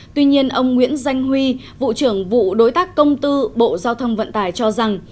tuy nhiên ông nguyễn danh huy vụ trưởng vụ đối tác công tư bộ giao thông vận tải cho rằng